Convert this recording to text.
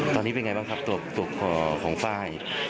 ตอนนี้เป็นไงบ้างครับตัวคอของไฟล์